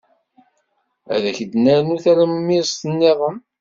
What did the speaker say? Ad ak-d-nernu talemmiẓt niḍen.